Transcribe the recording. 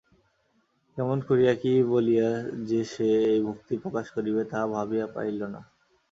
কেমন করিয়া কী বলিয়া যে সে এই ভক্তি প্রকাশ করিবে তাহা ভাবিয়া পাইল না।